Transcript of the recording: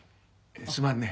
すまんね。